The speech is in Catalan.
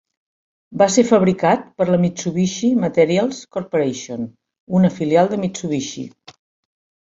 Va ser fabricat per la Mitsubishi Materials Corporation, una filial de Mitsubishi.